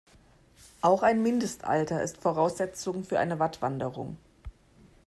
Auch ein Mindestalter ist Voraussetzung für eine Wattwanderung.